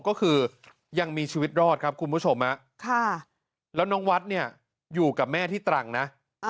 ก็คือยังมีชีวิตรอดครับคุณผู้ชมแล้วน้องวัดเนี่ยอยู่กับแม่ที่ตรังนะ